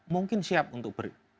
mungkin siap untuk